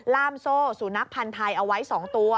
ล่ามโซ่สุนัขพันธ์ไทยเอาไว้๒ตัว